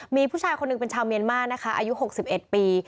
มีผู้ชายคนหนึ่งเป็นชาวเมียนมานะคะอายุ๖๑ปี